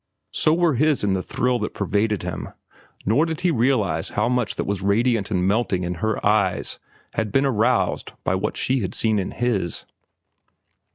So were his in the thrill that pervaded him; nor did he realize how much that was radiant and melting in her eyes had been aroused by what she had seen in his.